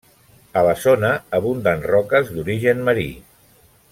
A la zona abunden roques d'origen marí.